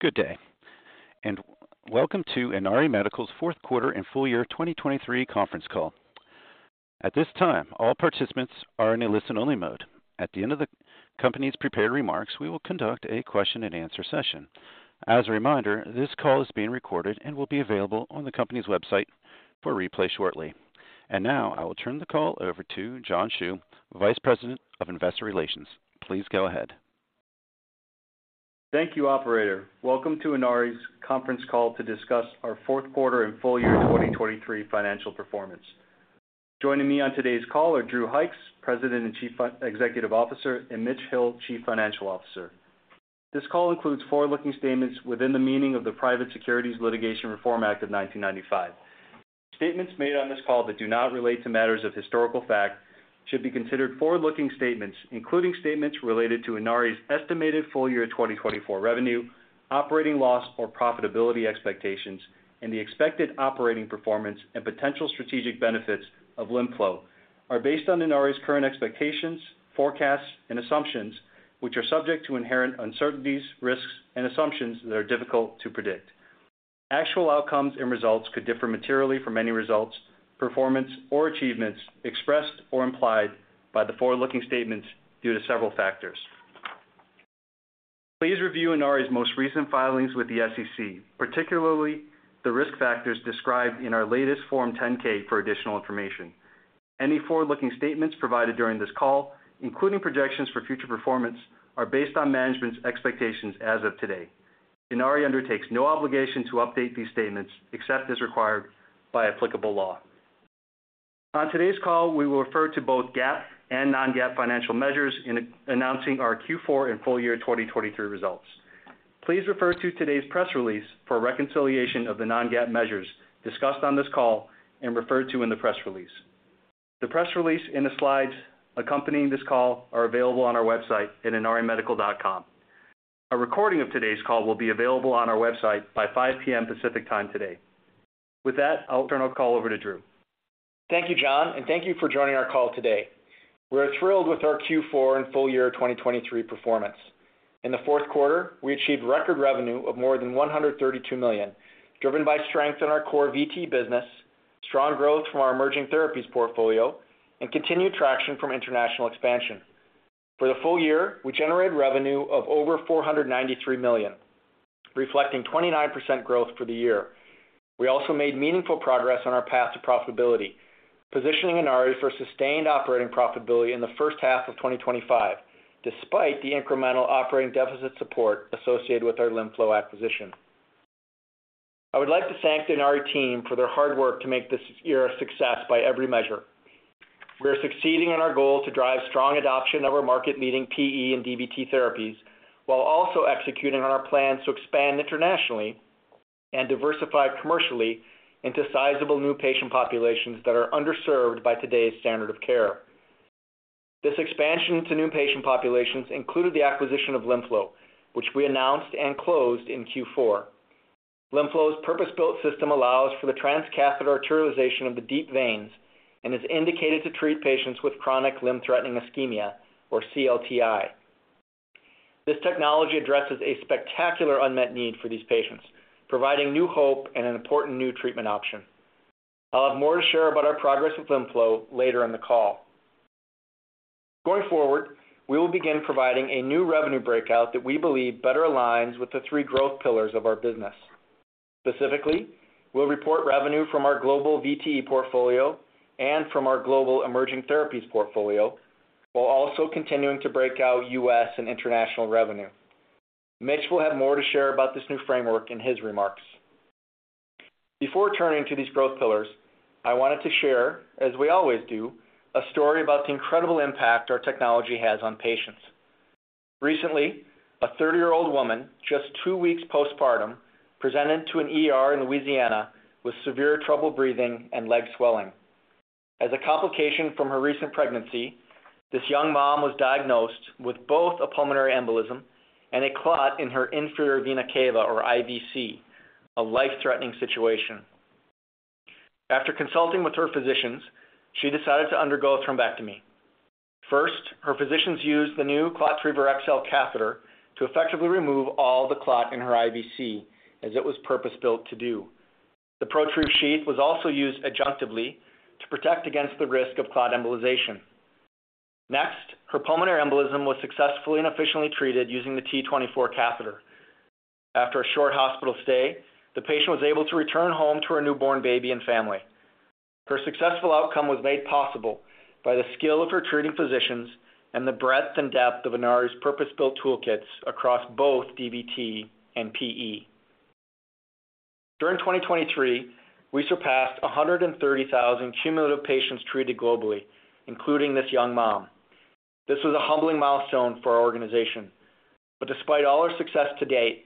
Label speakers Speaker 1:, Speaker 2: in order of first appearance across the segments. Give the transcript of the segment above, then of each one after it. Speaker 1: Good day, and welcome to Inari Medical's fourth quarter and full year 2023 conference call. At this time, all participants are in a listen-only mode. At the end of the company's prepared remarks, we will conduct a question-and-answer session. As a reminder, this call is being recorded and will be available on the company's website for replay shortly. Now I will turn the call over to John Hsu, Vice President of Investor Relations. Please go ahead.
Speaker 2: Thank you, operator. Welcome to Inari's conference call to discuss our fourth quarter and full year 2023 financial performance. Joining me on today's call are Drew Hykes, President and Chief Executive Officer, and Mitch Hill, Chief Financial Officer. This call includes forward-looking statements within the meaning of the Private Securities Litigation Reform Act of 1995. Statements made on this call that do not relate to matters of historical fact should be considered forward-looking statements, including statements related to Inari's estimated full year 2024 revenue, operating loss or profitability expectations, and the expected operating performance and potential strategic benefits of LimFlow are based on Inari's current expectations, forecasts, and assumptions, which are subject to inherent uncertainties, risks, and assumptions that are difficult to predict. Actual outcomes and results could differ materially from any results, performance, or achievements expressed or implied by the forward-looking statements due to several factors. Please review Inari's most recent filings with the SEC, particularly the risk factors described in our latest Form 10-K for additional information. Any forward-looking statements provided during this call, including projections for future performance, are based on management's expectations as of today. Inari undertakes no obligation to update these statements except as required by applicable law. On today's call, we will refer to both GAAP and non-GAAP financial measures in announcing our Q4 and full year 2023 results. Please refer to today's press release for reconciliation of the non-GAAP measures discussed on this call and referred to in the press release. The press release and the slides accompanying this call are available on our website at inarimedical.com. A recording of today's call will be available on our website by 5:00 P.M. Pacific Time today. With that, I'll turn the call over to Drew.
Speaker 3: Thank you, John, and thank you for joining our call today. We are thrilled with our Q4 and full year 2023 performance. In the fourth quarter, we achieved record revenue of more than $132 million, driven by strength in our core VTE business, strong growth from our emerging therapies portfolio, and continued traction from international expansion. For the full year, we generated revenue of over $493 million, reflecting 29% growth for the year. We also made meaningful progress on our path to profitability, positioning Inari for sustained operating profitability in the first half of 2025 despite the incremental operating deficit support associated with our LimFlow acquisition. I would like to thank the Inari team for their hard work to make this year a success by every measure. We are succeeding in our goal to drive strong adoption of our market-leading PE and DVT therapies while also executing on our plans to expand internationally and diversify commercially into sizable new patient populations that are underserved by today's standard of care. This expansion to new patient populations included the acquisition of LimFlow, which we announced and closed in Q4. LimFlow's purpose-built system allows for the transcatheter arterialization of the deep veins and is indicated to treat patients with chronic limb-threatening ischemia, or CLTI. This technology addresses a spectacular unmet need for these patients, providing new hope and an important new treatment option. I'll have more to share about our progress with LimFlow later in the call. Going forward, we will begin providing a new revenue breakout that we believe better aligns with the three growth pillars of our business. Specifically, we'll report revenue from our global VTE portfolio and from our global emerging therapies portfolio while also continuing to break out U.S. and international revenue. Mitch will have more to share about this new framework in his remarks. Before turning to these growth pillars, I wanted to share, as we always do, a story about the incredible impact our technology has on patients. Recently, a 30-year-old woman, just two weeks postpartum, presented to an ER in Louisiana with severe trouble breathing and leg swelling. As a complication from her recent pregnancy, this young mom was diagnosed with both a pulmonary embolism and a clot in her inferior vena cava, or IVC, a life-threatening situation. After consulting with her physicians, she decided to undergo thrombectomy. First, her physicians used the new ClotTriever XL catheter to effectively remove all the clot in her IVC, as it was purpose-built to do. The ProTrieve Sheath was also used adjunctively to protect against the risk of clot embolization. Next, her pulmonary embolism was successfully and efficiently treated using the T24 catheter. After a short hospital stay, the patient was able to return home to her newborn baby and family. Her successful outcome was made possible by the skill of her treating physicians and the breadth and depth of Inari's purpose-built toolkits across both DVT and PE. During 2023, we surpassed 130,000 cumulative patients treated globally, including this young mom. This was a humbling milestone for our organization. But despite all our success to date,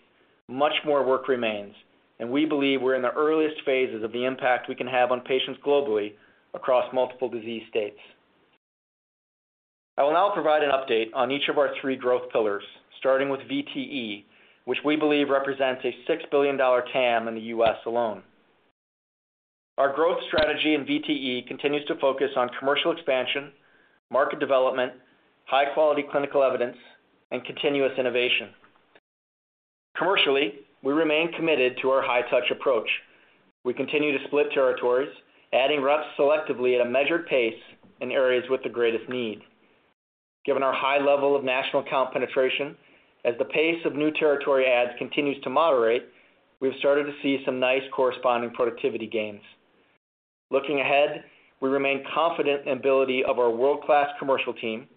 Speaker 3: much more work remains, and we believe we're in the earliest phases of the impact we can have on patients globally across multiple disease states. I will now provide an update on each of our three growth pillars, starting with VTE, which we believe represents a $6 billion TAM in the U.S. alone. Our growth strategy in VTE continues to focus on commercial expansion, market development, high-quality clinical evidence, and continuous innovation. Commercially, we remain committed to our high-touch approach. We continue to split territories, adding reps selectively at a measured pace in areas with the greatest need. Given our high level of national account penetration, as the pace of new territory adds continues to moderate, we've started to see some nice corresponding productivity gains. Looking ahead, we remain confident in the ability of our world-class commercial team,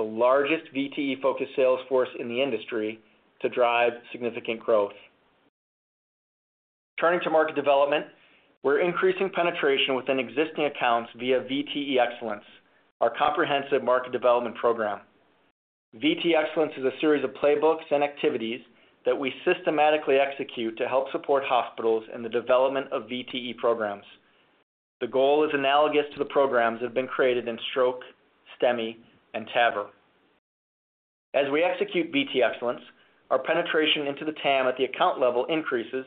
Speaker 3: the largest VTE-focused sales force in the industry, to drive significant growth. Turning to market development, we're increasing penetration within existing accounts via VTE Excellence, our comprehensive market development program. VTE Excellence is a series of playbooks and activities that we systematically execute to help support hospitals in the development of VTE programs. The goal is analogous to the programs that have been created in stroke, STEMI, and TAVR. As we execute VTE Excellence, our penetration into the TAM at the account level increases,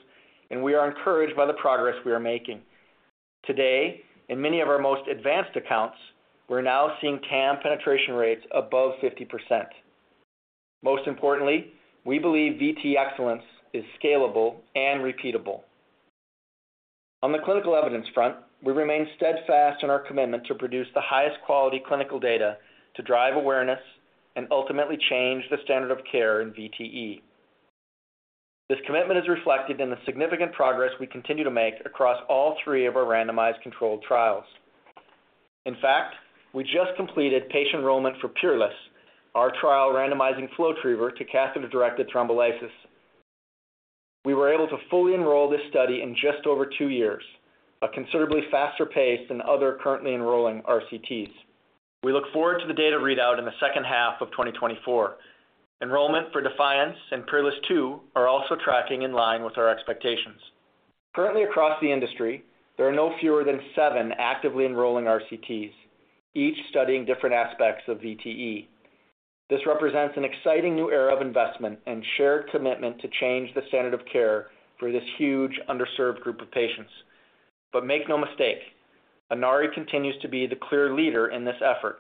Speaker 3: and we are encouraged by the progress we are making. Today, in many of our most advanced accounts, we're now seeing TAM penetration rates above 50%. Most importantly, we believe VTE Excellence is scalable and repeatable. On the clinical evidence front, we remain steadfast in our commitment to produce the highest quality clinical data to drive awareness and ultimately change the standard of care in VTE. This commitment is reflected in the significant progress we continue to make across all three of our randomized controlled trials. In fact, we just completed patient enrollment for PEERLESS, our trial randomizing FlowTriever to catheter-directed thrombolysis. We were able to fully enroll this study in just over two years, a considerably faster pace than other currently enrolling RCTs. We look forward to the data readout in the second half of 2024. Enrollment for DEFIANCE and PEERLESS II are also tracking in line with our expectations. Currently, across the industry, there are no fewer than seven actively enrolling RCTs, each studying different aspects of VTE. This represents an exciting new era of investment and shared commitment to change the standard of care for this huge, underserved group of patients. But make no mistake: Inari continues to be the clear leader in this effort.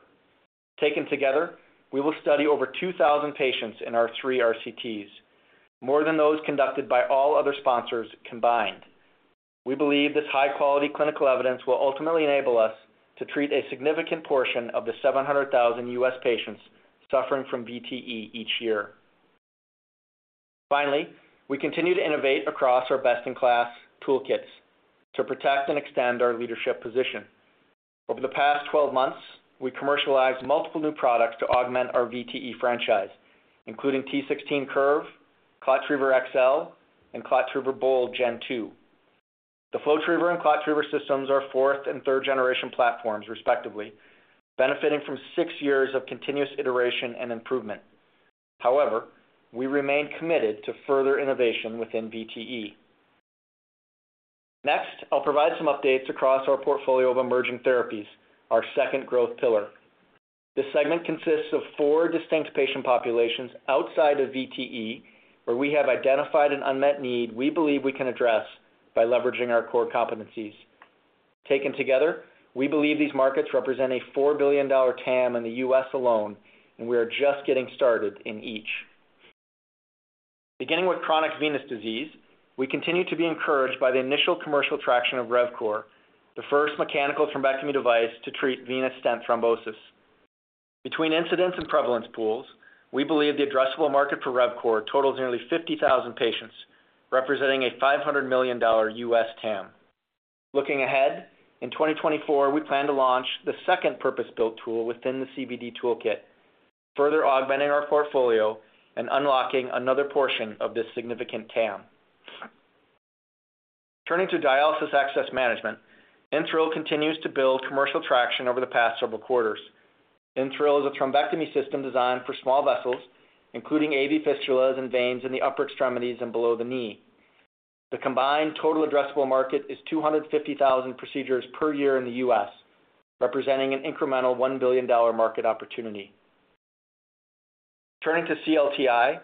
Speaker 3: Taken together, we will study over 2,000 patients in our three RCTs, more than those conducted by all other sponsors combined. We believe this high-quality clinical evidence will ultimately enable us to treat a significant portion of the 700,000 U.S. patients suffering from VTE each year. Finally, we continue to innovate across our best-in-class toolkits to protect and extend our leadership position. Over the past 12 months, we commercialized multiple new products to augment our VTE franchise, including T16 Curve, ClotTriever XL, and ClotTriever Bold Gen 2. The FlowTriever and ClotTriever systems are fourth and third-generation platforms, respectively, benefiting from six years of continuous iteration and improvement. However, we remain committed to further innovation within VTE. Next, I'll provide some updates across our portfolio of emerging therapies, our second growth pillar. This segment consists of four distinct patient populations outside of VTE, where we have identified an unmet need we believe we can address by leveraging our core competencies. Taken together, we believe these markets represent a $4 billion TAM in the U.S. alone, and we are just getting started in each. Beginning with chronic venous disease, we continue to be encouraged by the initial commercial traction of RevCore, the first mechanical thrombectomy device to treat venous stent thrombosis. Between incidence and prevalence pools, we believe the addressable market for RevCore totals nearly 50,000 patients, representing a $500 million U.S. TAM. Looking ahead, in 2024, we plan to launch the second purpose-built tool within the CVD toolkit, further augmenting our portfolio and unlocking another portion of this significant TAM. Turning to dialysis access management, InThrill continues to build commercial traction over the past several quarters. InThrill is a thrombectomy system designed for small vessels, including AV fistulas and veins in the upper extremities and below the knee. The combined total addressable market is 250,000 procedures per year in the U.S., representing an incremental $1 billion market opportunity. Turning to CLTI,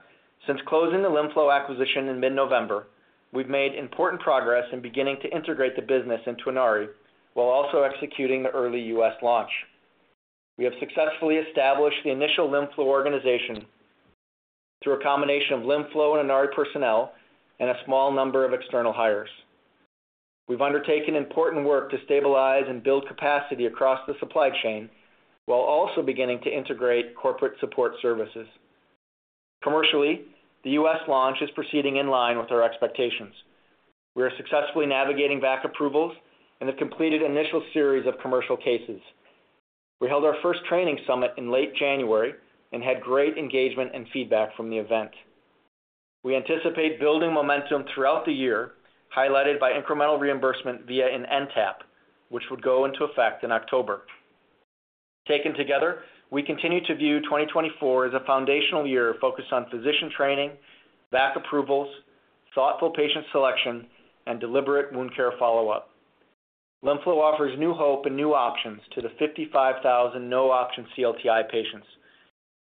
Speaker 3: since closing the LimFlow acquisition in mid-November, we've made important progress in beginning to integrate the business into Inari while also executing the early U.S. launch. We have successfully established the initial LimFlow organization through a combination of LimFlow and Inari personnel and a small number of external hires. We've undertaken important work to stabilize and build capacity across the supply chain while also beginning to integrate corporate support services. Commercially, the U.S. launch is proceeding in line with our expectations. We are successfully navigating VAC approvals and have completed an initial series of commercial cases. We held our first training summit in late January and had great engagement and feedback from the event. We anticipate building momentum throughout the year, highlighted by incremental reimbursement via an NTAP, which would go into effect in October. Taken together, we continue to view 2024 as a foundational year focused on physician training, VAC approvals, thoughtful patient selection, and deliberate wound care follow-up. LimFlow offers new hope and new options to the 55,000 no-option CLTI patients.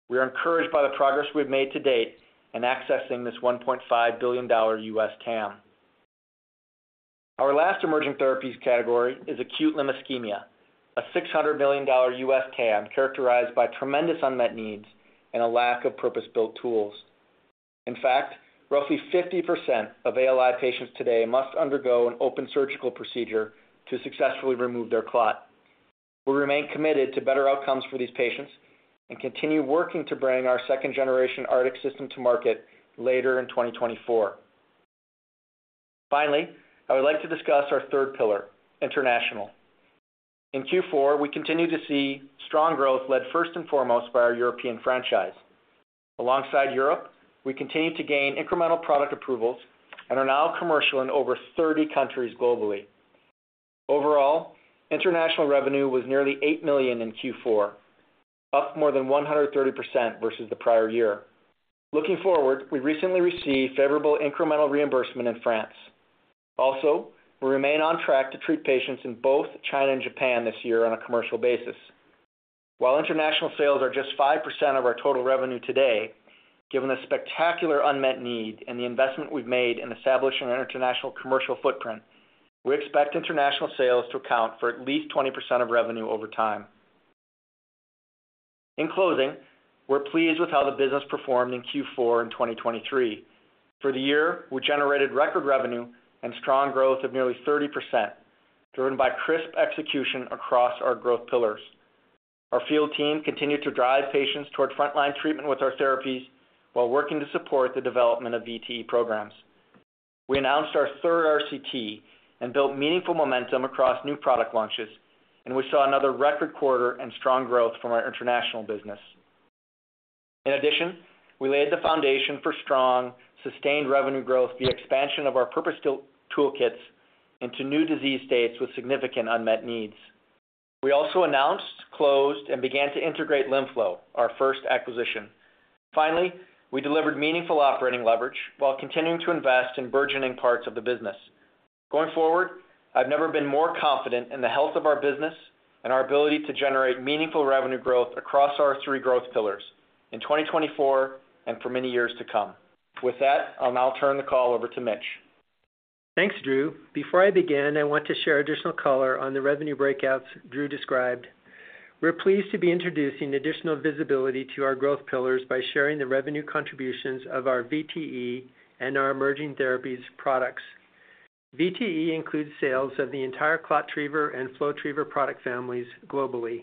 Speaker 3: We are encouraged by the progress we've made to date in accessing this $1.5 billion U.S. TAM. Our last emerging therapies category is acute limb ischemia, a $600 million U.S. TAM characterized by tremendous unmet needs and a lack of purpose-built tools. In fact, roughly 50% of ALI patients today must undergo an open surgical procedure to successfully remove their clot. We remain committed to better outcomes for these patients and continue working to bring our second-generation Artix system to market later in 2024. Finally, I would like to discuss our third pillar, international. In Q4, we continue to see strong growth led first and foremost by our European franchise. Alongside Europe, we continue to gain incremental product approvals and are now commercial in over 30 countries globally. Overall, international revenue was nearly $8 million in Q4, up more than 130% versus the prior year. Looking forward, we recently received favorable incremental reimbursement in France. Also, we remain on track to treat patients in both China and Japan this year on a commercial basis. While international sales are just 5% of our total revenue today, given the spectacular unmet need and the investment we've made in establishing an international commercial footprint, we expect international sales to account for at least 20% of revenue over time. In closing, we're pleased with how the business performed in Q4 and 2023. For the year, we generated record revenue and strong growth of nearly 30%, driven by crisp execution across our growth pillars. Our field team continued to drive patients toward frontline treatment with our therapies while working to support the development of VTE programs. We announced our third RCT and built meaningful momentum across new product launches, and we saw another record quarter and strong growth from our international business. In addition, we laid the foundation for strong, sustained revenue growth via expansion of our purpose-built toolkits into new disease states with significant unmet needs. We also announced, closed, and began to integrate LimFlow, our first acquisition. Finally, we delivered meaningful operating leverage while continuing to invest in burgeoning parts of the business. Going forward, I've never been more confident in the health of our business and our ability to generate meaningful revenue growth across our three growth pillars in 2024 and for many years to come. With that, I'll now turn the call over to Mitch.
Speaker 4: Thanks, Drew. Before I begin, I want to share an additional color on the revenue breakouts Drew described. We're pleased to be introducing additional visibility to our growth pillars by sharing the revenue contributions of our VTE and our emerging therapies products. VTE includes sales of the entire ClotTriever and FlowTriever product families globally.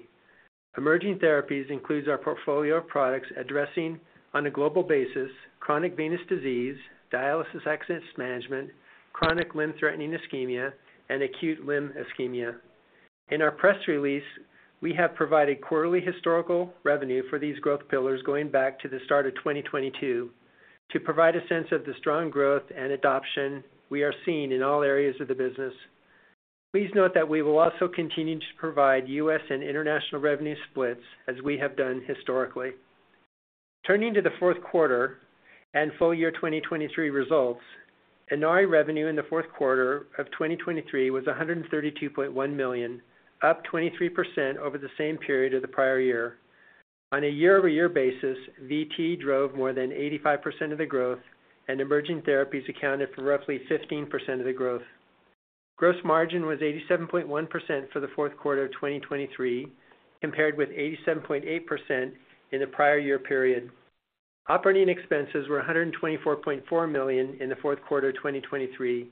Speaker 4: Emerging therapies includes our portfolio of products addressing, on a global basis, chronic venous disease, dialysis access management, chronic limb-threatening ischemia, and acute limb ischemia. In our press release, we have provided quarterly historical revenue for these growth pillars going back to the start of 2022 to provide a sense of the strong growth and adoption we are seeing in all areas of the business. Please note that we will also continue to provide U.S. and international revenue splits as we have done historically. Turning to the fourth quarter and full year 2023 results, Inari revenue in the fourth quarter of 2023 was $132.1 million, up 23% over the same period of the prior year. On a year-over-year basis, VTE drove more than 85% of the growth, and emerging therapies accounted for roughly 15% of the growth. Gross margin was 87.1% for the fourth quarter of 2023, compared with 87.8% in the prior year period. Operating expenses were $124.4 million in the fourth quarter of 2023,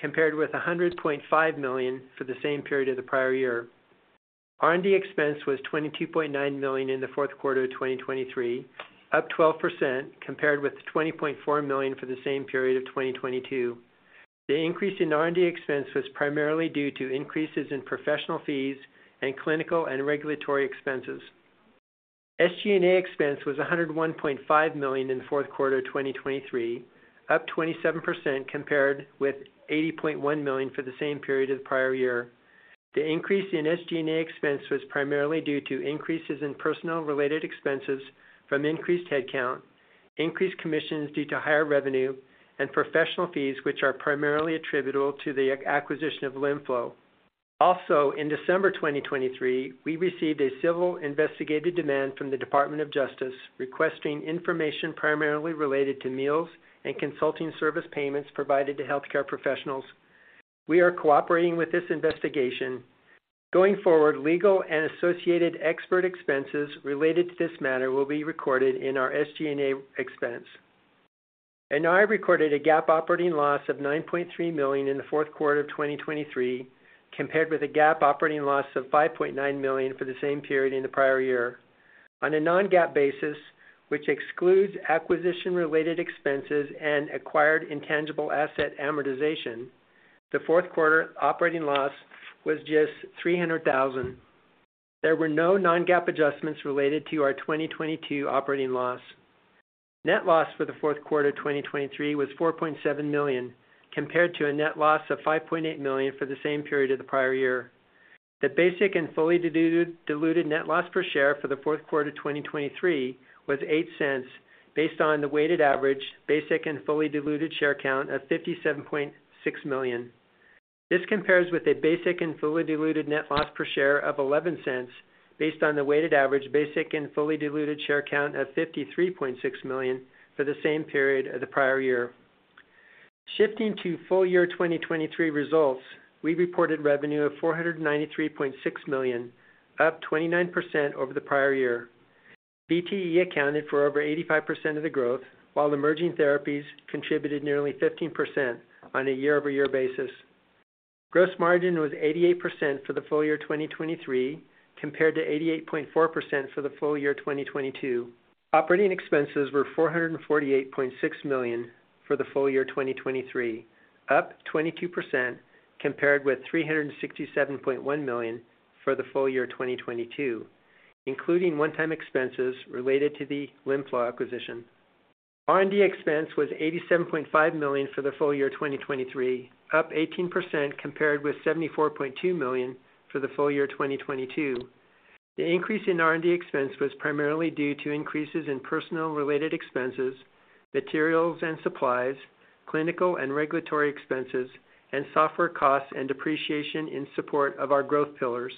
Speaker 4: compared with $100.5 million for the same period of the prior year. R&D expense was $22.9 million in the fourth quarter of 2023, up 12% compared with $20.4 million for the same period of 2022. The increase in R&D expense was primarily due to increases in professional fees and clinical and regulatory expenses. SG&A expense was $101.5 million in the fourth quarter of 2023, up 27% compared with $80.1 million for the same period of the prior year. The increase in SG&A expense was primarily due to increases in personnel-related expenses from increased headcount, increased commissions due to higher revenue, and professional fees, which are primarily attributable to the acquisition of LimFlow. Also, in December 2023, we received a Civil Investigative Demand from the Department of Justice requesting information primarily related to meals and consulting service payments provided to healthcare professionals. We are cooperating with this investigation. Going forward, legal and associated expert expenses related to this matter will be recorded in our SG&A expense. Inari recorded a GAAP operating loss of $9.3 million in the fourth quarter of 2023, compared with a GAAP operating loss of $5.9 million for the same period in the prior year. On a non-GAAP basis, which excludes acquisition-related expenses and acquired intangible asset amortization, the fourth quarter operating loss was just $300,000. There were no non-GAAP adjustments related to our 2022 operating loss. Net loss for the fourth quarter of 2023 was $4.7 million, compared to a net loss of $5.8 million for the same period of the prior year. The basic and fully diluted net loss per share for the fourth quarter of 2023 was $0.08, based on the weighted average basic and fully diluted share count of 57.6 million. This compares with a basic and fully diluted net loss per share of $0.11, based on the weighted average basic and fully diluted share count of 53.6 million for the same period of the prior year. Shifting to full year 2023 results, we reported revenue of $493.6 million, up 29% over the prior year. VTE accounted for over 85% of the growth, while emerging therapies contributed nearly 15% on a year-over-year basis. Gross margin was 88% for the full year 2023, compared to 88.4% for the full year 2022. Operating expenses were $448.6 million for the full year 2023, up 22% compared with $367.1 million for the full year 2022, including one-time expenses related to the LimFlow acquisition. R&D expense was $87.5 million for the full year 2023, up 18% compared with $74.2 million for the full year 2022. The increase in R&D expense was primarily due to increases in personnel-related expenses, materials and supplies, clinical and regulatory expenses, and software costs and depreciation in support of our growth pillars.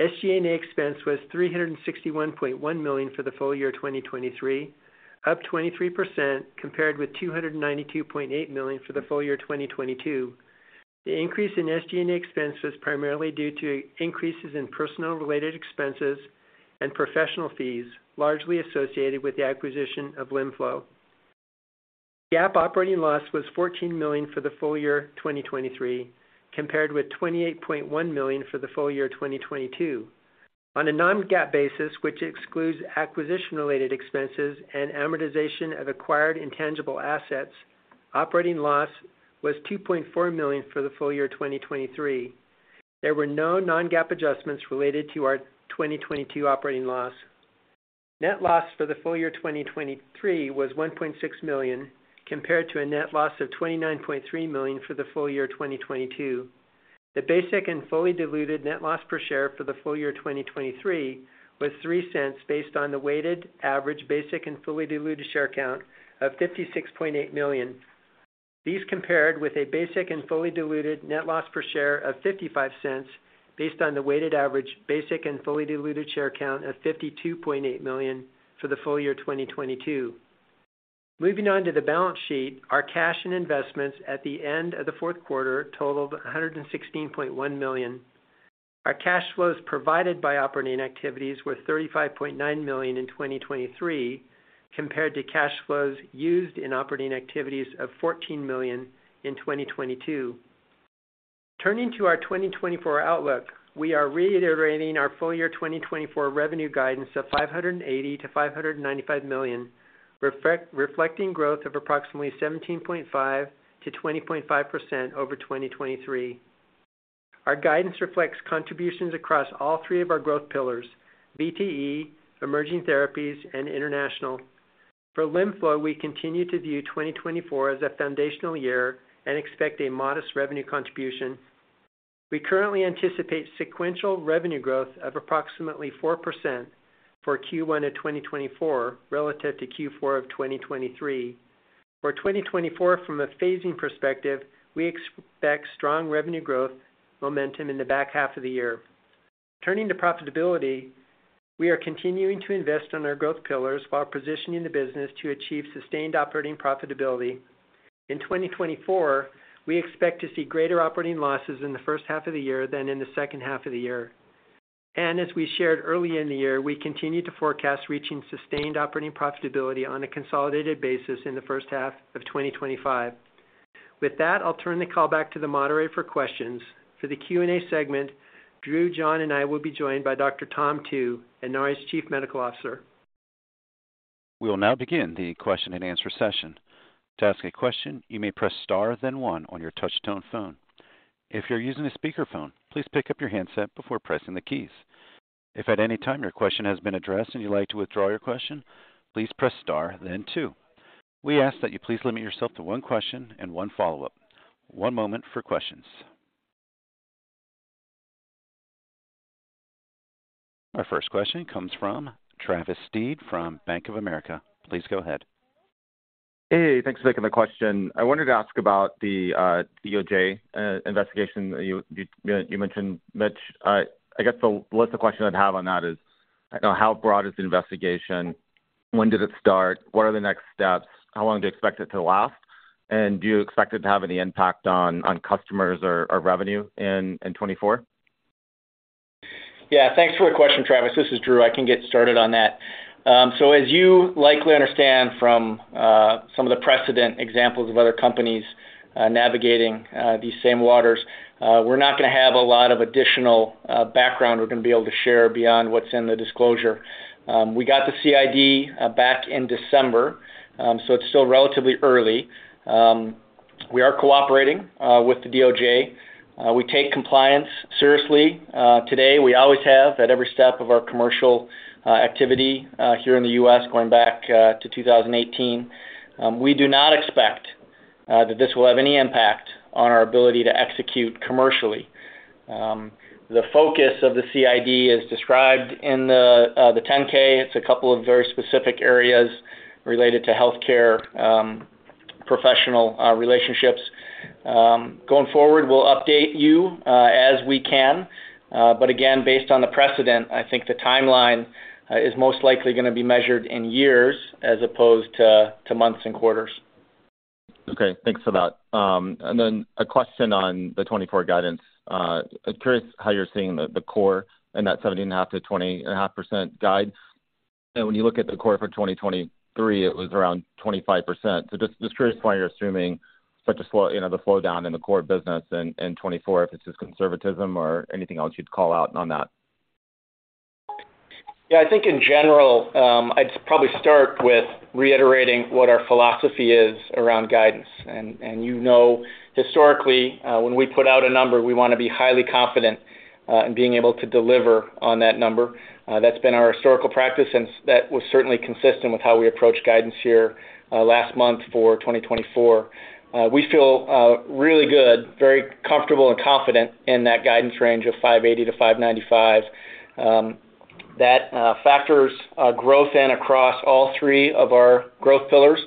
Speaker 4: SG&A expense was $361.1 million for the full year 2023, up 23% compared with $292.8 million for the full year 2022. The increase in SG&A expense was primarily due to increases in personnel-related expenses and professional fees, largely associated with the acquisition of LimFlow. GAAP operating loss was $14 million for the full year 2023, compared with $28.1 million for the full year 2022. On a non-GAAP basis, which excludes acquisition-related expenses and amortization of acquired intangible assets, operating loss was $2.4 million for the full year 2023. There were no non-GAAP adjustments related to our 2022 operating loss. Net loss for the full year 2023 was $1.6 million, compared to a net loss of $29.3 million for the full year 2022. The basic and fully diluted net loss per share for the full year 2023 was $0.03, based on the weighted average basic and fully diluted share count of 56.8 million. These compared with a basic and fully diluted net loss per share of $0.55, based on the weighted average basic and fully diluted share count of 52.8 million for the full year 2022. Moving on to the balance sheet, our cash and investments at the end of the fourth quarter totaled $116.1 million. Our cash flows provided by operating activities were $35.9 million in 2023, compared to cash flows used in operating activities of $14 million in 2022. Turning to our 2024 outlook, we are reiterating our full year 2024 revenue guidance of $580 million-$595 million, reflecting growth of approximately 17.5%-20.5% over 2023. Our guidance reflects contributions across all three of our growth pillars: VTE, emerging therapies, and international. For LimFlow, we continue to view 2024 as a foundational year and expect a modest revenue contribution. We currently anticipate sequential revenue growth of approximately 4% for Q1 of 2024 relative to Q4 of 2023. For 2024, from a phasing perspective, we expect strong revenue growth momentum in the back half of the year. Turning to profitability, we are continuing to invest in our growth pillars while positioning the business to achieve sustained operating profitability. In 2024, we expect to see greater operating losses in the first half of the year than in the second half of the year. As we shared early in the year, we continue to forecast reaching sustained operating profitability on a consolidated basis in the first half of 2025. With that, I'll turn the call back to the moderator for questions. For the Q&A segment, Drew, John, and I will be joined by Dr. Tom Tu, Inari's Chief Medical Officer.
Speaker 1: We will now begin the question-and-answer session. To ask a question, you may press star then one on your touchtone phone. If you're using a speakerphone, please pick up your handset before pressing the keys. If at any time your question has been addressed and you'd like to withdraw your question, please press star then two. We ask that you please limit yourself to one question and one follow-up. One moment for questions. Our first question comes from Travis Steed from Bank of America. Please go ahead.
Speaker 5: Hey, thanks for taking the question. I wanted to ask about the DOJ investigation that you mentioned, Mitch. I guess the list of questions I'd have on that is, how broad is the investigation? When did it start? What are the next steps? How long do you expect it to last? And do you expect it to have any impact on customers or revenue in 2024?
Speaker 3: Yeah, thanks for the question, Travis. This is Drew. I can get started on that. So, as you likely understand from some of the precedent examples of other companies navigating these same waters, we're not going to have a lot of additional background we're going to be able to share beyond what's in the disclosure. We got the CID back in December, so it's still relatively early. We are cooperating with the DOJ. We take compliance seriously today. We always have at every step of our commercial activity here in the U.S., going back to 2018. We do not expect that this will have any impact on our ability to execute commercially. The focus of the CID is described in the 10-K. It's a couple of very specific areas related to healthcare professional relationships. Going forward, we'll update you as we can. But again, based on the precedent, I think the timeline is most likely going to be measured in years as opposed to months and quarters.
Speaker 5: Okay, thanks for that. And then a question on the 2024 guidance. I'm curious how you're seeing the core in that 17.5%-20.5% guide. When you look at the core for 2023, it was around 25%. So just curious why you're assuming such a slowdown in the core business in 2024, if it's just conservatism or anything else you'd call out on that?
Speaker 3: Yeah, I think in general, I'd probably start with reiterating what our philosophy is around guidance. You know, historically, when we put out a number, we want to be highly confident in being able to deliver on that number. That's been our historical practice, and that was certainly consistent with how we approach guidance here last month for 2024. We feel really good, very comfortable and confident in that guidance range of $580-$595. That factors growth across all three of our growth pillars.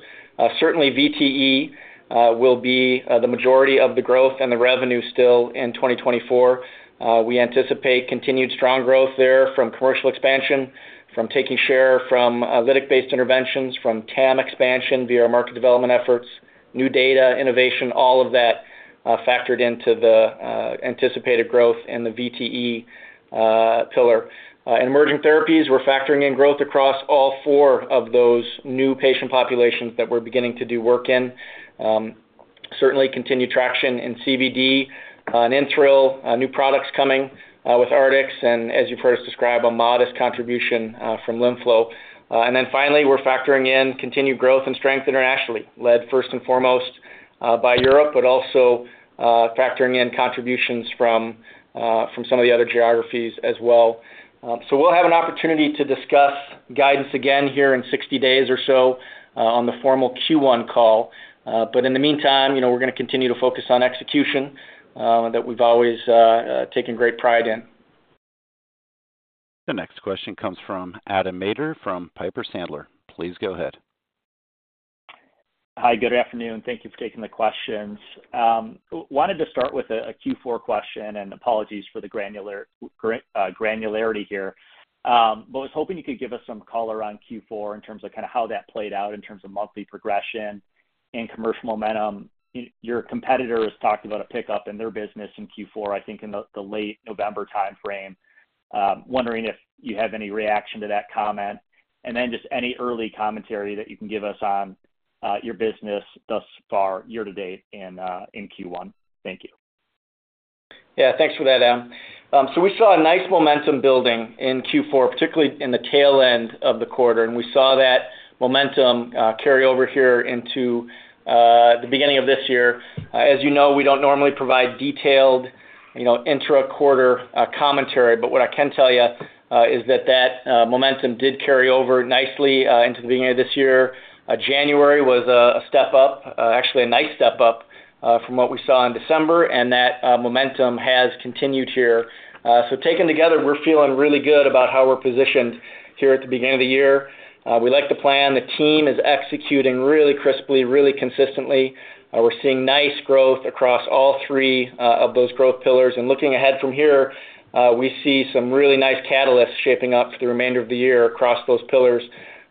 Speaker 3: Certainly, VTE will be the majority of the growth and the revenue still in 2024. We anticipate continued strong growth there from commercial expansion, from taking share from lytic-based interventions, from TAM expansion via our market development efforts, new data, innovation, all of that factored into the anticipated growth in the VTE pillar. In emerging therapies, we're factoring in growth across all four of those new patient populations that we're beginning to do work in. Certainly, continued traction in CVD and InThrill, new products coming with Artix, and as you've heard us describe, a modest contribution from LimFlow. And then finally, we're factoring in continued growth and strength internationally, led first and foremost by Europe, but also factoring in contributions from some of the other geographies as well. So we'll have an opportunity to discuss guidance again here in 60 days or so on the formal Q1 call. But in the meantime, we're going to continue to focus on execution that we've always taken great pride in.
Speaker 1: The next question comes from Adam Maeder from Piper Sandler. Please go ahead.
Speaker 6: Hi, good afternoon. Thank you for taking the questions. Wanted to start with a Q4 question, and apologies for the granularity here. But I was hoping you could give us some color on Q4 in terms of kind of how that played out in terms of monthly progression and commercial momentum. Your competitor has talked about a pickup in their business in Q4, I think, in the late November timeframe. Wondering if you have any reaction to that comment. And then just any early commentary that you can give us on your business thus far year to date in Q1. Thank you.
Speaker 3: Yeah, thanks for that, Adam. We saw a nice momentum building in Q4, particularly in the tail end of the quarter. We saw that momentum carry over here into the beginning of this year. As you know, we don't normally provide detailed intra-quarter commentary, but what I can tell you is that that momentum did carry over nicely into the beginning of this year. January was a step up, actually a nice step up from what we saw in December, and that momentum has continued here. Taken together, we're feeling really good about how we're positioned here at the beginning of the year. We like the plan. The team is executing really crisply, really consistently. We're seeing nice growth across all three of those growth pillars. Looking ahead from here, we see some really nice catalysts shaping up for the remainder of the year across those pillars.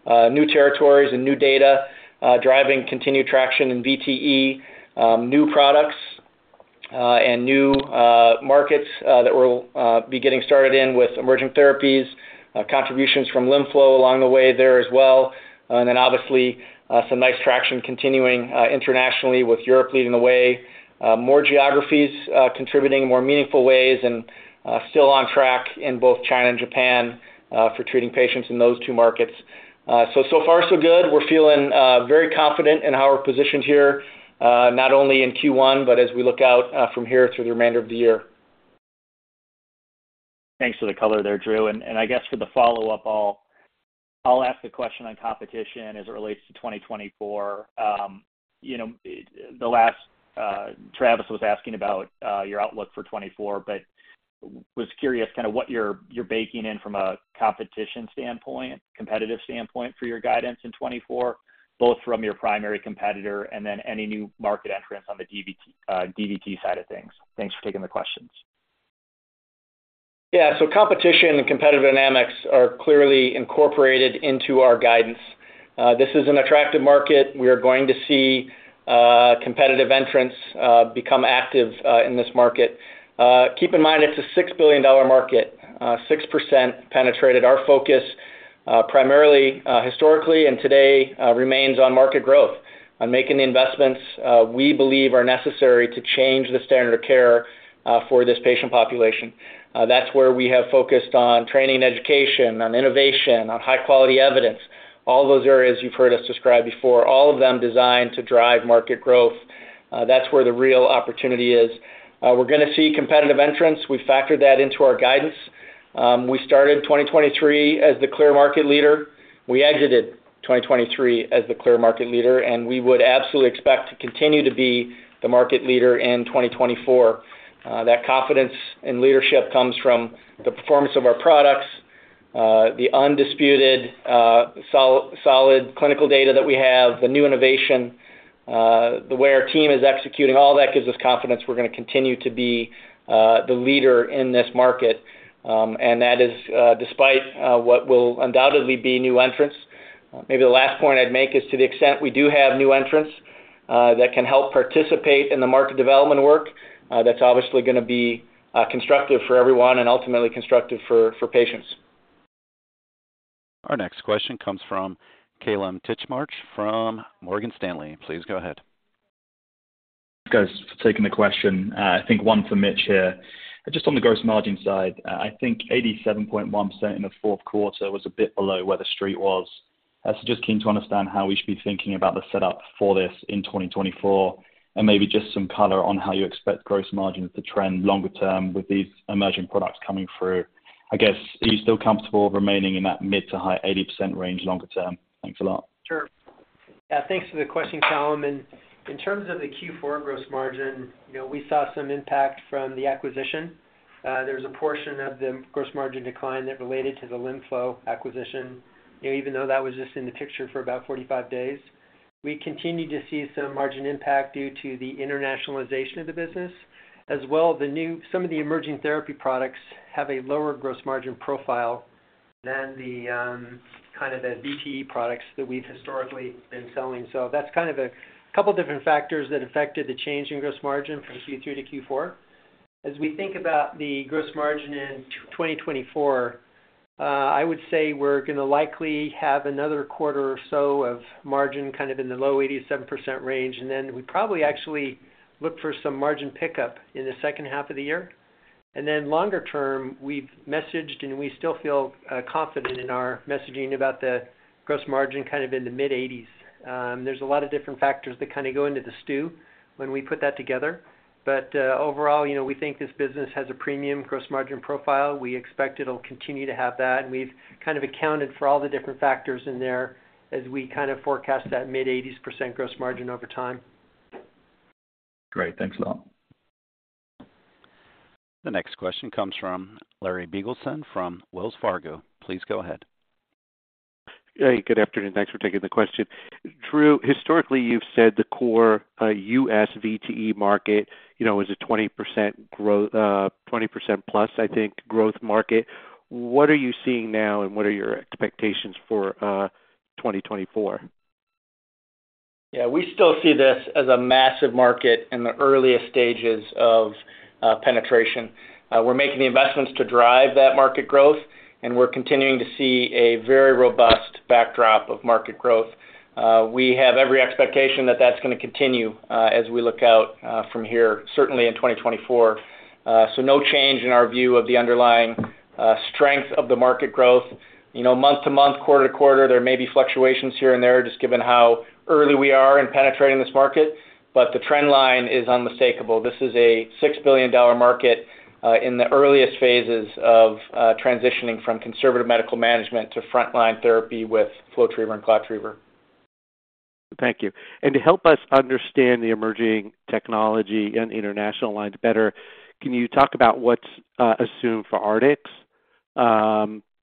Speaker 3: New territories and new data driving continued traction in VTE, new products, and new markets that we'll be getting started in with emerging therapies, contributions from LimFlow along the way there as well. And then obviously, some nice traction continuing internationally with Europe leading the way, more geographies contributing in more meaningful ways, and still on track in both China and Japan for treating patients in those two markets. So far, so good. We're feeling very confident in how we're positioned here, not only in Q1, but as we look out from here through the remainder of the year.
Speaker 6: Thanks for the color there, Drew. And I guess for the follow-up, I'll ask the question on competition as it relates to 2024. The last Travis was asking about your outlook for 2024, but was curious kind of what you're baking in from a competition standpoint, competitive standpoint for your guidance in 2024, both from your primary competitor and then any new market entrance on the DVT side of things. Thanks for taking the questions.
Speaker 3: Yeah, so competition and competitive dynamics are clearly incorporated into our guidance. This is an attractive market. We are going to see competitive entrance become active in this market. Keep in mind it's a $6 billion market, 6% penetrated. Our focus primarily historically and today remains on market growth, on making the investments we believe are necessary to change the standard of care for this patient population. That's where we have focused on training and education, on innovation, on high-quality evidence, all those areas you've heard us describe before, all of them designed to drive market growth. That's where the real opportunity is. We're going to see competitive entrants. We've factored that into our guidance. We started 2023 as the clear market leader. We exited 2023 as the clear market leader, and we would absolutely expect to continue to be the market leader in 2024. That confidence in leadership comes from the performance of our products, the undisputed solid clinical data that we have, the new innovation, the way our team is executing. All that gives us confidence we're going to continue to be the leader in this market. That is despite what will undoubtedly be new entrants. Maybe the last point I'd make is to the extent we do have new entrants that can help participate in the market development work, that's obviously going to be constructive for everyone and ultimately constructive for patients.
Speaker 1: Our next question comes from Kallum Titchmarsh from Morgan Stanley. Please go ahead.
Speaker 7: Thanks, guys, for taking the question. I think one for Mitch here. Just on the gross margin side, I think 87.1% in the fourth quarter was a bit below where the street was. So just keen to understand how we should be thinking about the setup for this in 2024 and maybe just some color on how you expect gross margins to trend longer term with these emerging products coming through. I guess, are you still comfortable remaining in that mid- to high-80% range longer term? Thanks a lot.
Speaker 4: Sure. Yeah, thanks for the question, Kallum. And in terms of the Q4 gross margin, we saw some impact from the acquisition. There was a portion of the gross margin decline that related to the LimFlow acquisition, even though that was just in the picture for about 45 days. We continue to see some margin impact due to the internationalization of the business as well. Some of the emerging therapy products have a lower gross margin profile than the kind of the VTE products that we've historically been selling. That's kind of a couple of different factors that affected the change in gross margin from Q3 to Q4. As we think about the gross margin in 2024, I would say we're going to likely have another quarter or so of margin kind of in the low 87% range, and then we probably actually look for some margin pickup in the second half of the year. Then longer term, we've messaged, and we still feel confident in our messaging about the gross margin kind of in the mid-80s%. There's a lot of different factors that kind of go into the stew when we put that together. Overall, we think this business has a premium gross margin profile. We expect it'll continue to have that. And we've kind of accounted for all the different factors in there as we kind of forecast that mid-80s% gross margin over time.
Speaker 7: Great. Thanks a lot.
Speaker 1: The next question comes from Larry Biegelsen from Wells Fargo. Please go ahead.
Speaker 8: Hey, good afternoon. Thanks for taking the question. Drew, historically, you've said the core U.S. VTE market was a 20% plus, I think, growth market. What are you seeing now, and what are your expectations for 2024?
Speaker 3: Yeah, we still see this as a massive market in the earliest stages of penetration. We're making the investments to drive that market growth, and we're continuing to see a very robust backdrop of market growth. We have every expectation that that's going to continue as we look out from here, certainly in 2024. So no change in our view of the underlying strength of the market growth. Month-to-month, quarter-to-quarter, there may be fluctuations here and there just given how early we are in penetrating this market. But the trend line is unmistakable. This is a $6 billion market in the earliest phases of transitioning from conservative medical management to frontline therapy with flow treatment and clot treatment.
Speaker 8: Thank you. And to help us understand the emerging technology and international lines better, can you talk about what's assumed for Artix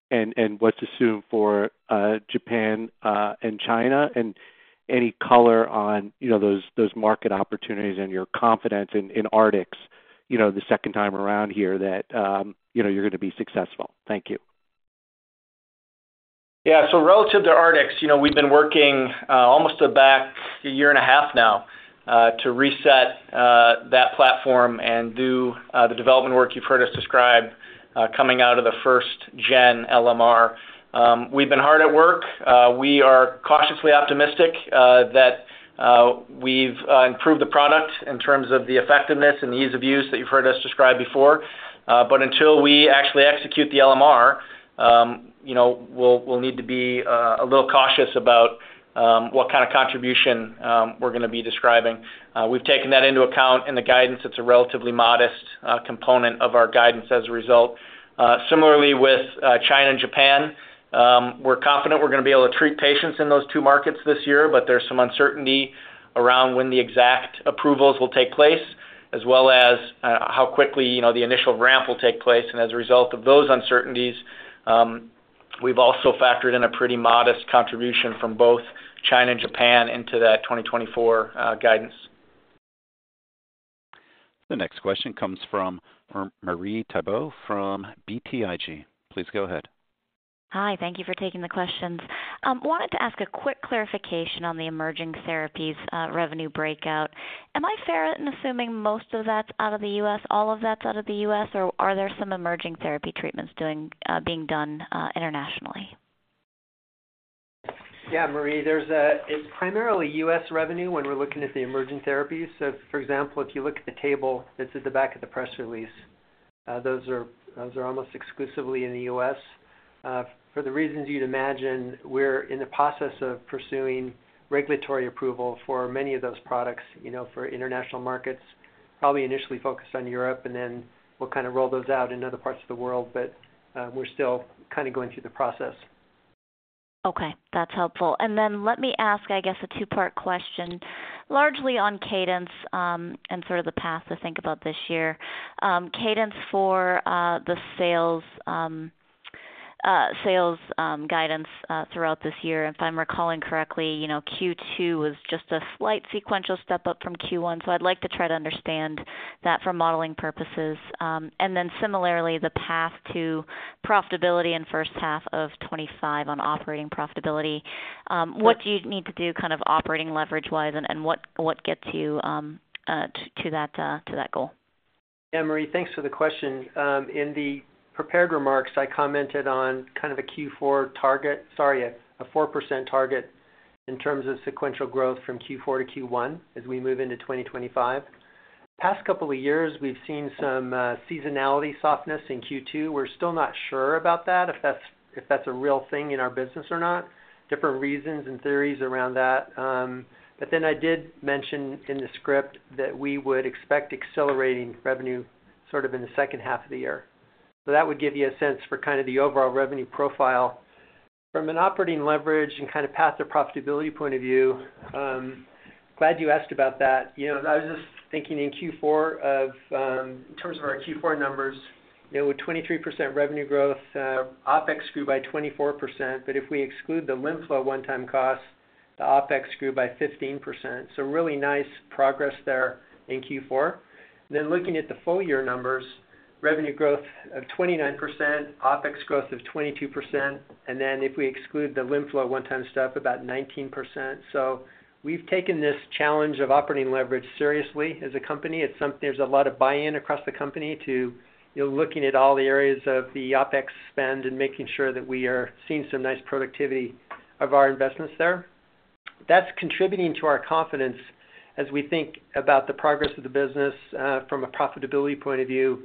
Speaker 8: and what's assumed for Japan and China and any color on those market opportunities and your confidence in Artix the second time around here that you're going to be successful? Thank you.
Speaker 3: Yeah, so relative to Artix, we've been working almost back a year and a half now to reset that platform and do the development work you've heard us describe coming out of the first-gen LMR. We've been hard at work. We are cautiously optimistic that we've improved the product in terms of the effectiveness and the ease of use that you've heard us describe before. But until we actually execute the LMR, we'll need to be a little cautious about what kind of contribution we're going to be describing. We've taken that into account in the guidance. It's a relatively modest component of our guidance as a result. Similarly, with China and Japan, we're confident we're going to be able to treat patients in those two markets this year, but there's some uncertainty around when the exact approvals will take place as well as how quickly the initial ramp will take place. And as a result of those uncertainties, we've also factored in a pretty modest contribution from both China and Japan into that 2024 guidance.
Speaker 1: The next question comes from Marie Thibault from BTIG. Please go ahead.
Speaker 9: Hi, thank you for taking the questions. Wanted to ask a quick clarification on the emerging therapies revenue breakout. Am I fair in assuming most of that's out of the U.S., all of that's out of the U.S., or are there some emerging therapy treatments being done internationally?
Speaker 4: Yeah, Marie, it's primarily U.S. revenue when we're looking at the emerging therapies. So for example, if you look at the table that's at the back of the press release, those are almost exclusively in the U.S. For the reasons you'd imagine, we're in the process of pursuing regulatory approval for many of those products for international markets, probably initially focused on Europe, and then we'll kind of roll those out in other parts of the world. But we're still kind of going through the process.
Speaker 9: Okay, that's helpful. And then let me ask, I guess, a two-part question largely on cadence and sort of the path to think about this year. Cadence for the sales guidance throughout this year, if I'm recalling correctly, Q2 was just a slight sequential step up from Q1. So I'd like to try to understand that for modeling purposes. And then similarly, the path to profitability in the first half of 2025 on operating profitability. What do you need to do kind of operating leverage-wise, and what gets you to that goal?
Speaker 4: Yeah, Marie, thanks for the question. In the prepared remarks, I commented on kind of a Q4 target sorry, a 4% target in terms of sequential growth from Q4 to Q1 as we move into 2025. Past couple of years, we've seen some seasonality softness in Q2. We're still not sure about that, if that's a real thing in our business or not, different reasons and theories around that. But then I did mention in the script that we would expect accelerating revenue sort of in the second half of the year. So that would give you a sense for kind of the overall revenue profile from an operating leverage and kind of path to profitability point of view. Glad you asked about that. I was just thinking in Q4 of in terms of our Q4 numbers, with 23% revenue growth. OpEx grew by 24%, but if we exclude the LimFlow one-time costs, the OpEx grew by 15%. So really nice progress there in Q4. Then looking at the full-year numbers, revenue growth of 29%, OpEx growth of 22%, and then if we exclude the LimFlow one-time step, about 19%. So we've taken this challenge of operating leverage seriously as a company. There's a lot of buy-in across the company to looking at all the areas of the OpEx spend and making sure that we are seeing some nice productivity of our investments there. That's contributing to our confidence as we think about the progress of the business from a profitability point of view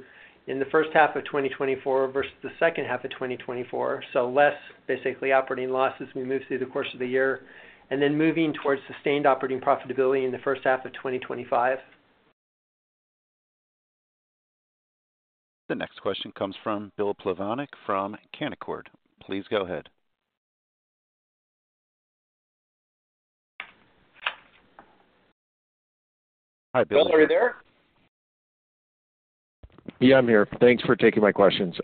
Speaker 4: in the first half of 2024 versus the second half of 2024, so less basically operating loss as we move through the course of the year and then moving towards sustained operating profitability in the first half of 2025.
Speaker 1: The next question comes from Bill Plovanic from Canaccord. Please go ahead.
Speaker 3: Hi, Bill. Bill, are you there?
Speaker 10: Yeah, I'm here. Thanks for taking my questions.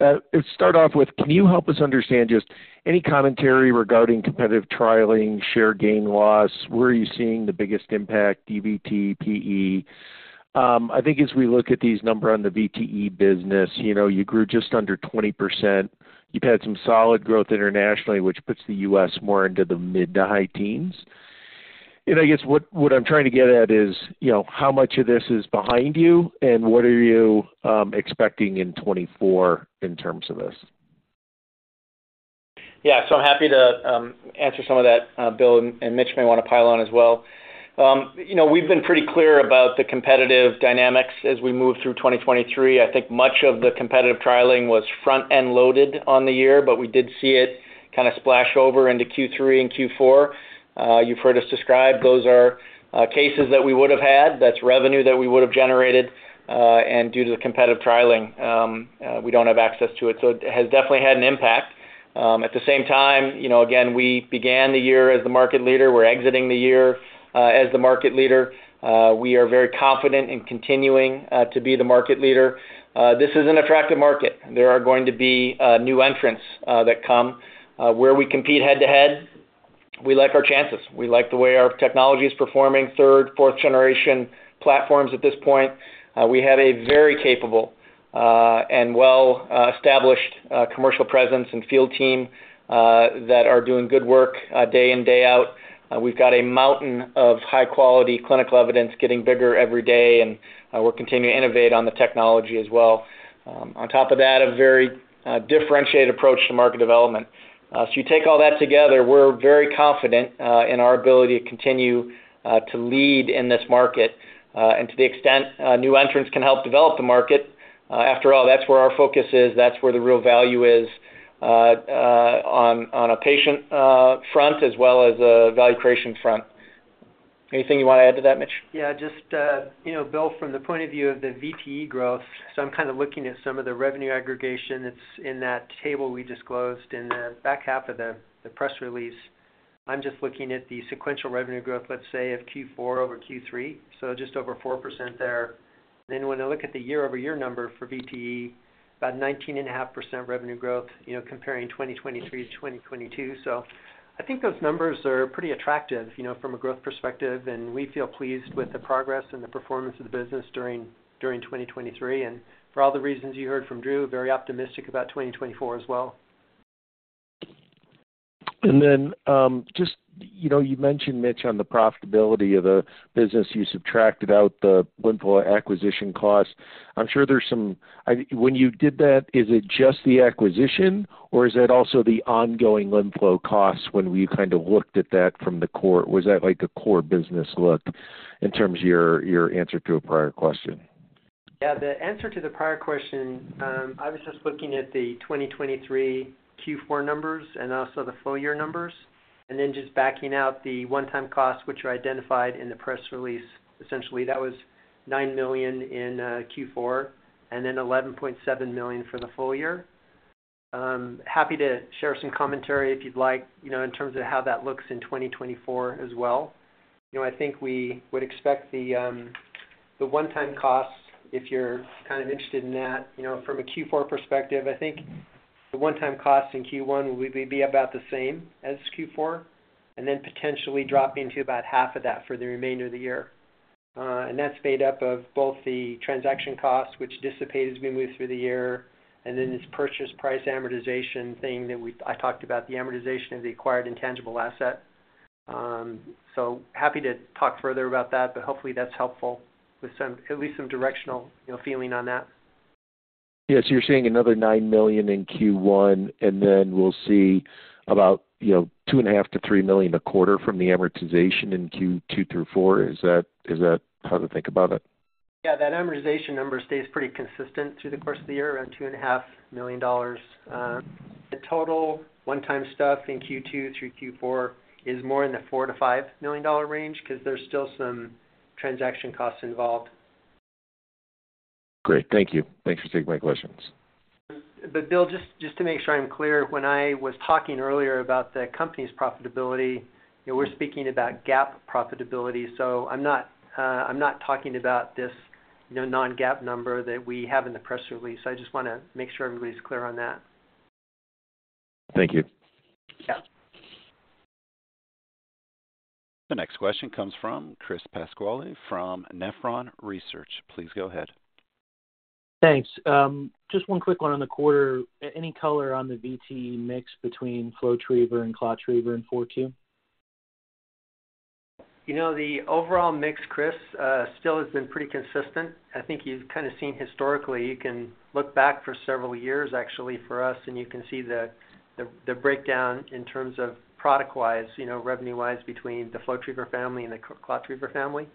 Speaker 10: Let's start off with, can you help us understand just any commentary regarding competitive trialing, share gain loss? Where are you seeing the biggest impact, DVT, PE? I think as we look at these numbers on the VTE business, you grew just under 20%. You've had some solid growth internationally, which puts the U.S. more into the mid- to high teens. I guess what I'm trying to get at is how much of this is behind you, and what are you expecting in 2024 in terms of this?
Speaker 3: Yeah, so I'm happy to answer some of that Bill and Mitch may want to pile on as well. We've been pretty clear about the competitive dynamics as we move through 2023. I think much of the competitive trialing was front-end loaded on the year, but we did see it kind of splash over into Q3 and Q4. You've heard us describe those are cases that we would have had. That's revenue that we would have generated. And due to the competitive trialing, we don't have access to it. So it has definitely had an impact. At the same time, again, we began the year as the market leader. We're exiting the year as the market leader. We are very confident in continuing to be the market leader. This is an attractive market. There are going to be new entrants that come. Where we compete head to head, we like our chances. We like the way our technology is performing, third, fourth-generation platforms at this point. We have a very capable and well-established commercial presence and field team that are doing good work day in, day out. We've got a mountain of high-quality clinical evidence getting bigger every day, and we're continuing to innovate on the technology as well. On top of that, a very differentiated approach to market development. So you take all that together, we're very confident in our ability to continue to lead in this market. And to the extent new entrants can help develop the market, after all, that's where our focus is. That's where the real value is on a patient front as well as a value creation front. Anything you want to add to that, Mitch?
Speaker 4: Yeah, just Bill, from the point of view of the VTE growth, so I'm kind of looking at some of the revenue aggregation that's in that table we disclosed in the back half of the press release. I'm just looking at the sequential revenue growth, let's say, of Q4 over Q3, so just over 4% there. Then when I look at the year-over-year number for VTE, about 19.5% revenue growth comparing 2023 to 2022. So I think those numbers are pretty attractive from a growth perspective, and we feel pleased with the progress and the performance of the business during 2023. And for all the reasons you heard from Drew, very optimistic about 2024 as well.
Speaker 10: And then just you mentioned, Mitch, on the profitability of the business. You subtracted out the LimFlow acquisition cost. I'm sure there's some when you did that, is it just the acquisition, or is that also the ongoing LimFlow costs when you kind of looked at that from the core? Was that a core business look in terms of your answer to a prior question?
Speaker 4: Yeah, the answer to the prior question, I was just looking at the 2023 Q4 numbers and also the full-year numbers and then just backing out the one-time costs, which are identified in the press release. Essentially, that was $9 million in Q4 and then $11.7 million for the full year. Happy to share some commentary if you'd like in terms of how that looks in 2024 as well. I think we would expect the one-time costs, if you're kind of interested in that, from a Q4 perspective. I think the one-time costs in Q1 would be about the same as Q4 and then potentially dropping to about half of that for the remainder of the year. And that's made up of both the transaction costs, which dissipate as we move through the year, and then this purchase price amortization thing that I talked about, the amortization of the acquired intangible asset. So happy to talk further about that, but hopefully, that's helpful with at least some directional feeling on that.
Speaker 10: Yeah, so you're seeing another $9 million in Q1, and then we'll see about $2.5 million-$3 million a quarter from the amortization in Q2 through Q4. Is that how to think about it?
Speaker 4: Yeah, that amortization number stays pretty consistent through the course of the year, around $2.5 million. The total one-time stuff in Q2 through Q4 is more in the $4-$5 million range because there's still some transaction costs involved.
Speaker 10: Great, thank you. Thanks for taking my questions.
Speaker 4: But Bill, just to make sure I'm clear, when I was talking earlier about the company's profitability, we're speaking about GAAP profitability. So I'm not talking about this non-GAAP number that we have in the press release. I just want to make sure everybody's clear on that.
Speaker 10: Thank you.
Speaker 4: Yeah.
Speaker 1: The next question comes from Chris Pasquale from Nephron Research. Please go ahead.
Speaker 11: Thanks. Just one quick one on the quarter. Any color on the VTE mix between FlowTriever and ClotTriever in Q4?
Speaker 4: The overall mix, Chris, still has been pretty consistent. I think you've kind of seen historically, you can look back for several years, actually, for us, and you can see the breakdown in terms of product-wise, revenue-wise between the FlowTriever family and the ClotTriever family.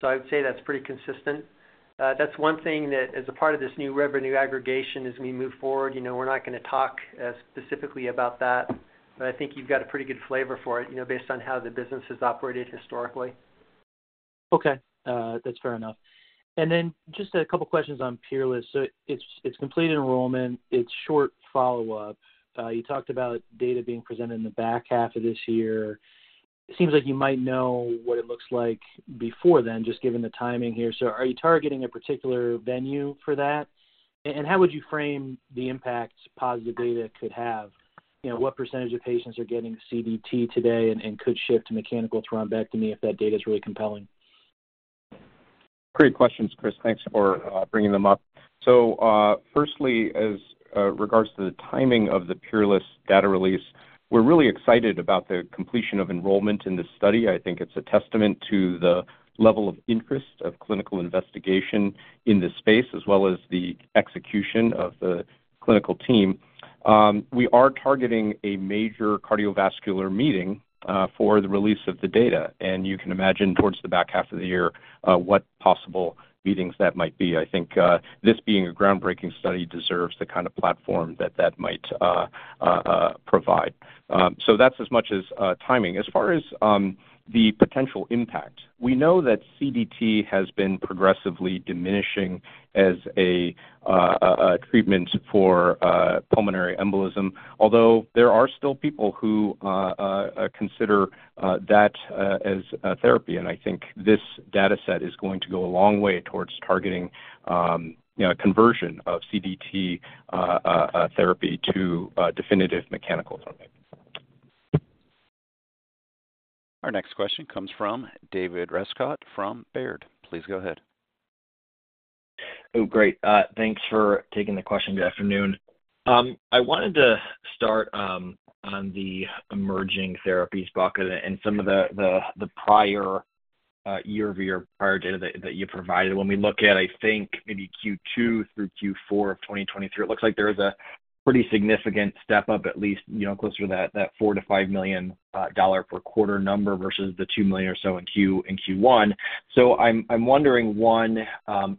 Speaker 4: So I would say that's pretty consistent. That's one thing that as a part of this new revenue aggregation as we move forward, we're not going to talk specifically about that, but I think you've got a pretty good flavor for it based on how the business has operated historically.
Speaker 11: Okay, that's fair enough. And then just a couple of questions on PEERLESS. So it's completed enrollment. It's short follow-up. You talked about data being presented in the back half of this year. It seems like you might know what it looks like before then, just given the timing here. So are you targeting a particular venue for that? And how would you frame the impact positive data could have? What percentage of patients are getting CDT today and could shift to mechanical thrombectomy if that data is really compelling?
Speaker 12: Great questions, Chris. Thanks for bringing them up. So firstly, as regards to the timing of the PEERLESS data release, we're really excited about the completion of enrollment in this study. I think it's a testament to the level of interest of clinical investigation in this space as well as the execution of the clinical team. We are targeting a major cardiovascular meeting for the release of the data. And you can imagine towards the back half of the year what possible meetings that might be. I think this being a groundbreaking study deserves the kind of platform that that might provide. So that's as much as timing. As far as the potential impact, we know that CDT has been progressively diminishing as a treatment for pulmonary embolism, although there are still people who consider that as therapy. And I think this dataset is going to go a long way towards targeting conversion of CDT therapy to definitive mechanical thrombectomy.
Speaker 1: Our next question comes from David Rescott from Baird. Please go ahead.
Speaker 13: Oh, great. Thanks for taking the question. Good afternoon. I wanted to start on the emerging therapies bucket and some of the prior year-over-year prior data that you provided. When we look at, I think, maybe Q2 through Q4 of 2023, it looks like there is a pretty significant step up, at least closer to that $4 million-$5 million per quarter number versus the $2 million or so in Q1. I'm wondering, one,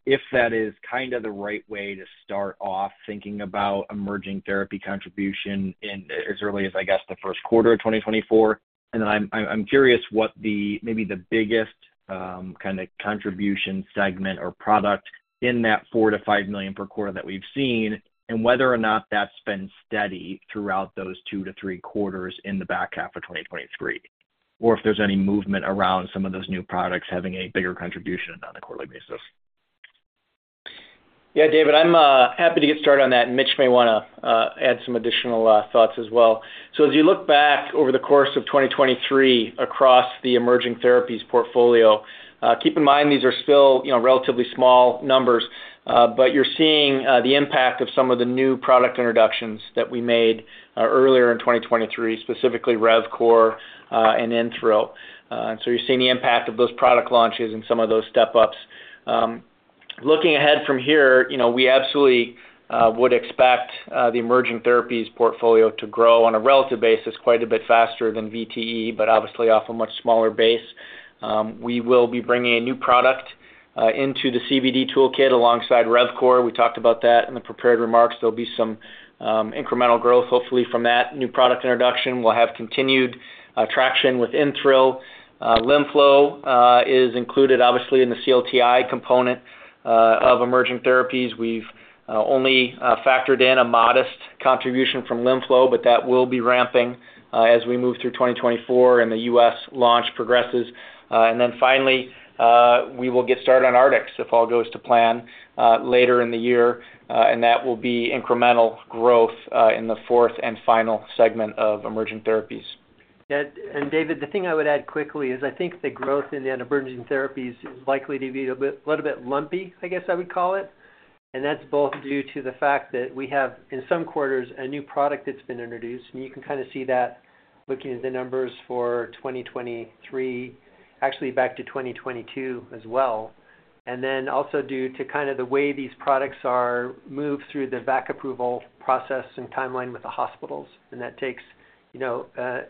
Speaker 13: if that is kind of the right way to start off thinking about emerging therapy contribution as early as, I guess, the first quarter of 2024. Then I'm curious what maybe the biggest kind of contribution segment or product in that $4 million-$5 million per quarter that we've seen and whether or not that's been steady throughout those 2-3 quarters in the back half of 2023 or if there's any movement around some of those new products having a bigger contribution on a quarterly basis. Yeah, David, I'm happy to get started on that. Mitch may want to add some additional thoughts as well.
Speaker 3: So as you look back over the course of 2023 across the emerging therapies portfolio, keep in mind these are still relatively small numbers, but you're seeing the impact of some of the new product introductions that we made earlier in 2023, specifically RevCore and InThrill. And so you're seeing the impact of those product launches and some of those step-ups. Looking ahead from here, we absolutely would expect the emerging therapies portfolio to grow on a relative basis quite a bit faster than VTE, but obviously off a much smaller base. We will be bringing a new product into the CVD toolkit alongside RevCore. We talked about that in the prepared remarks. There'll be some incremental growth, hopefully, from that new product introduction. We'll have continued traction with InThrill. LimFlow is included, obviously, in the CLTI component of emerging therapies. We've only factored in a modest contribution from LimFlow, but that will be ramping as we move through 2024 and the U.S. launch progresses. Then finally, we will get started on Artix if all goes to plan later in the year, and that will be incremental growth in the fourth and final segment of emerging therapies.
Speaker 4: Yeah, and David, the thing I would add quickly is I think the growth in the emerging therapies is likely to be a little bit lumpy, I guess I would call it. And that's both due to the fact that we have, in some quarters, a new product that's been introduced. And you can kind of see that looking at the numbers for 2023, actually back to 2022 as well, and then also due to kind of the way these products move through the VAC approval process and timeline with the hospitals. That takes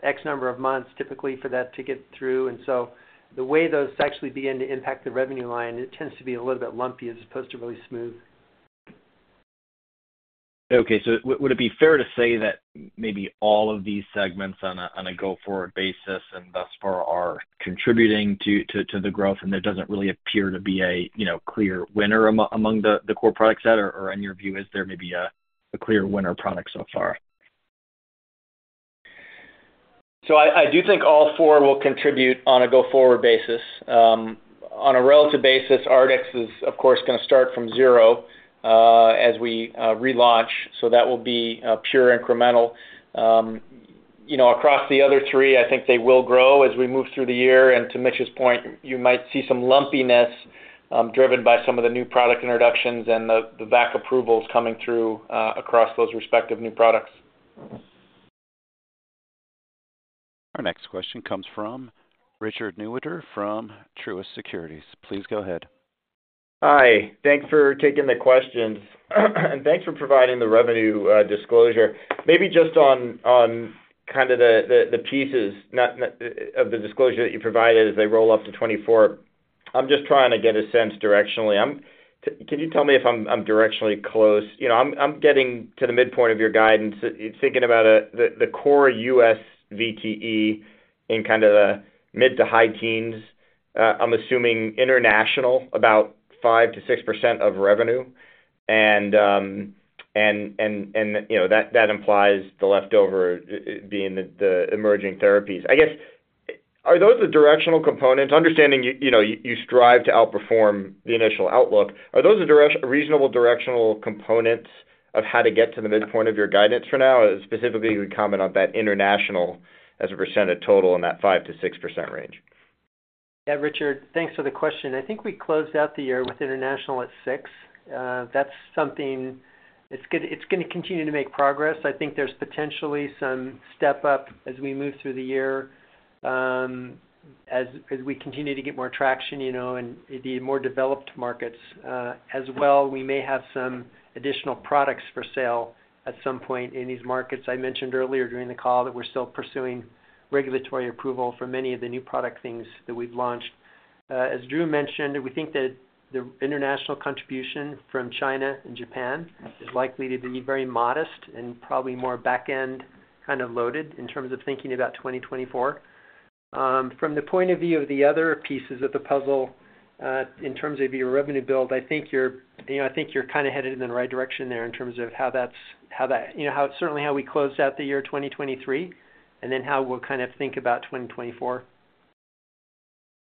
Speaker 4: X number of months, typically, for that to get through. So the way those actually begin to impact the revenue line, it tends to be a little bit lumpy as opposed to really smooth.
Speaker 13: Okay, so would it be fair to say that maybe all of these segments on a go-forward basis and thus far are contributing to the growth, and there doesn't really appear to be a clear winner among the core products yet? Or in your view, is there maybe a clear winner product so far?
Speaker 3: So I do think all four will contribute on a go-forward basis. On a relative basis, Artix is, of course, going to start from zero as we relaunch. So that will be pure incremental. Across the other three, I think they will grow as we move through the year. To Mitch's point, you might see some lumpiness driven by some of the new product introductions and the VAC approvals coming through across those respective new products.
Speaker 1: Our next question comes from Richard Newitter from Truist Securities. Please go ahead.
Speaker 14: Hi, thanks for taking the questions. And thanks for providing the revenue disclosure. Maybe just on kind of the pieces of the disclosure that you provided as they roll up to 2024, I'm just trying to get a sense directionally. Can you tell me if I'm directionally close? I'm getting to the midpoint of your guidance, thinking about the core U.S. VTE in kind of the mid to high teens, I'm assuming international, about 5%-6% of revenue. And that implies the leftover being the emerging therapies. I guess, are those the directional components? Understanding you strive to outperform the initial outlook, are those a reasonable directional component of how to get to the midpoint of your guidance for now? Specifically, you would comment on that international as a percentage total in that 5%-6% range.
Speaker 4: Yeah, Richard, thanks for the question. I think we closed out the year with international at 6%. That's something it's going to continue to make progress. I think there's potentially some step-up as we move through the year as we continue to get more traction in the more developed markets as well. We may have some additional products for sale at some point in these markets. I mentioned earlier during the call that we're still pursuing regulatory approval for many of the new product things that we've launched. As Drew mentioned, we think that the international contribution from China and Japan is likely to be very modest and probably more back-end kind of loaded in terms of thinking about 2024. From the point of view of the other pieces of the puzzle in terms of your revenue build, I think you're kind of headed in the right direction there in terms of how that's certainly how we closed out the year 2023 and then how we'll kind of think about 2024.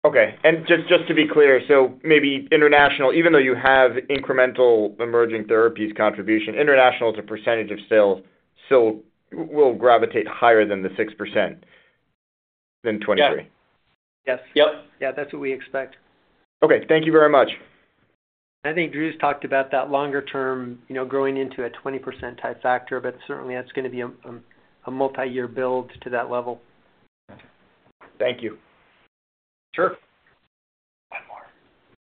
Speaker 14: Okay, and just to be clear, so maybe international, even though you have incremental emerging therapies contribution, international as a percentage of sales will gravitate higher than the 6% than 2023.
Speaker 3: Yeah. Yes.
Speaker 4: Yep. Yeah, that's what we expect.
Speaker 14: Okay, thank you very much.
Speaker 4: I think Drew's talked about that longer-term growing into a 20%-type factor, but certainly, that's going to be a multi-year build to that level.
Speaker 14: Gotcha. Thank you.
Speaker 3: Sure.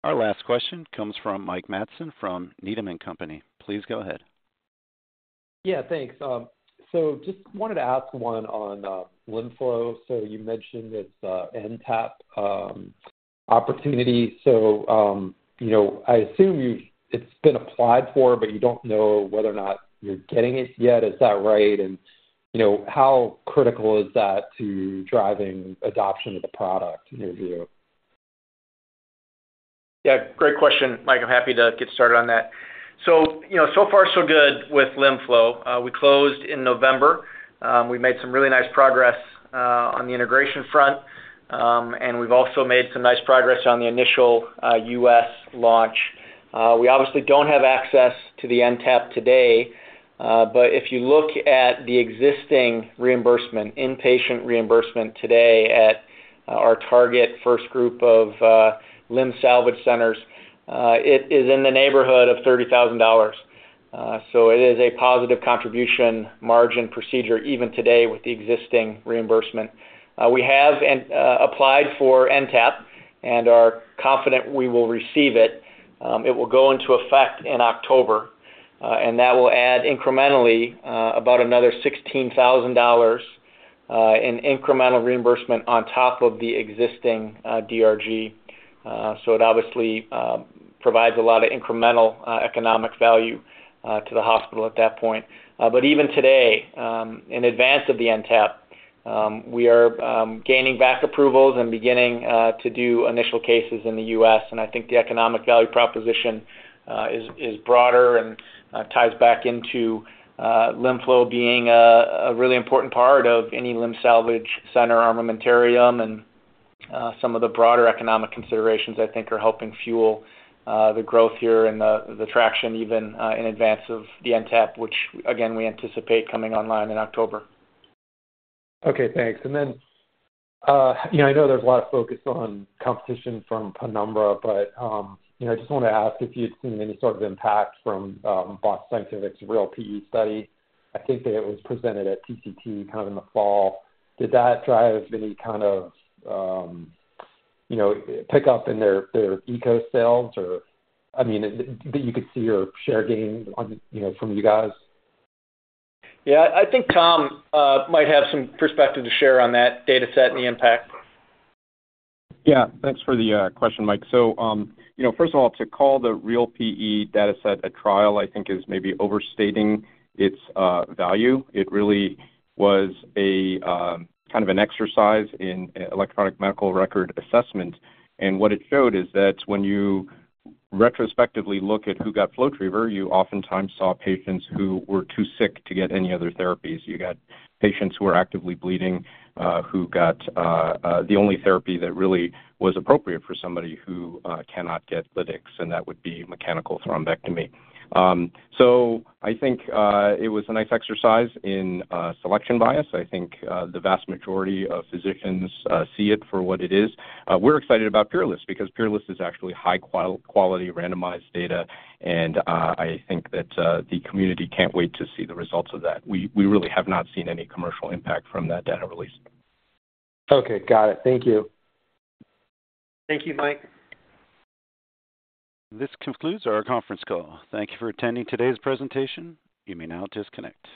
Speaker 1: Our last question comes from Mike Matson from Needham & Company. Please go ahead.
Speaker 15: Yeah, thanks. So just wanted to ask one on LimFlow. So you mentioned this NTAP opportunity. So I assume it's been applied for, but you don't know whether or not you're getting it yet. Is that right? And how critical is that to driving adoption of the product in your view?
Speaker 3: Yeah, great question, Mike. I'm happy to get started on that. So far, so good with LimFlow. We closed in November. We made some really nice progress on the integration front, and we've also made some nice progress on the initial U.S. launch. We obviously don't have access to the NTAP today, but if you look at the existing reimbursement, inpatient reimbursement today at our target first group of limb salvage centers, it is in the neighborhood of $30,000. So it is a positive contribution margin procedure even today with the existing reimbursement. We have applied for NTAP and are confident we will receive it. It will go into effect in October, and that will add incrementally about another $16,000 in incremental reimbursement on top of the existing DRG. So it obviously provides a lot of incremental economic value to the hospital at that point. But even today, in advance of the NTAP, we are gaining VAC approvals and beginning to do initial cases in the U.S. And I think the economic value proposition is broader and ties back into LimFlow being a really important part of any limb salvage center armamentarium. And some of the broader economic considerations, I think, are helping fuel the growth here and the traction even in advance of the NTAP, which, again, we anticipate coming online in October.
Speaker 15: Okay, thanks. And then I know there's a lot of focus on competition from Penumbra, but I just want to ask if you'd seen any sort of impact from Boston Scientific's REAL-PE study. I think that it was presented at TCT kind of in the fall. Did that drive any kind of pickup in their EKOS sales or I mean, that you could see or share gain from you guys?
Speaker 3: Yeah, I think Tom might have some perspective to share on that dataset and the impact.
Speaker 12: Yeah, thanks for the question, Mike. So first of all, to call the REAL-PE dataset a trial, I think, is maybe overstating its value.It really was kind of an exercise in electronic medical record assessment. What it showed is that when you retrospectively look at who got FlowTriever, you oftentimes saw patients who were too sick to get any other therapies. You got patients who were actively bleeding who got the only therapy that really was appropriate for somebody who cannot get lytics, and that would be mechanical thrombectomy. So I think it was a nice exercise in selection bias. I think the vast majority of physicians see it for what it is. We're excited about PEERLESS because PEERLESS is actually high-quality randomized data, and I think that the community can't wait to see the results of that. We really have not seen any commercial impact from that data release.
Speaker 15: Okay, got it. Thank you.
Speaker 4: Thank you, Mike.
Speaker 1: This concludes our conference call. Thank you for attending today's presentation. You may now disconnect.